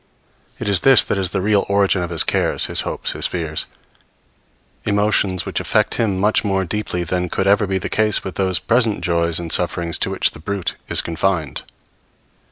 It is this that is the real origin of his cares, his hopes, his fears emotions which affect him much more deeply than could ever be the case with those present joys and sufferings to which the brute is confined.